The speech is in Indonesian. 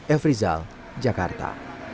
el frisal jakarta